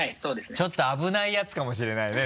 ちょっと危ないヤツかもしれないね